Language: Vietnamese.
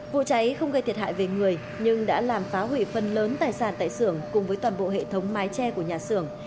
vụ cháy không gây thiệt hại về người nhưng đã làm phá hủy phần lớn tài sản tại xưởng cùng với toàn bộ hệ thống mái tre của nhà xưởng